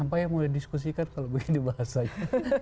apa yang boleh diskusikan kalau begini bahasanya